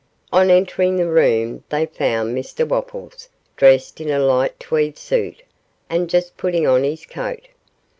On entering the room they found Mr Wopples, dressed in a light tweed suit, and just putting on his coat.